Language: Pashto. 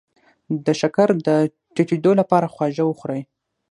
د شکر د ټیټیدو لپاره خواږه وخورئ